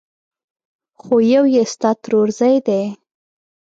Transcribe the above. خو يو يې ستا ترورزی دی!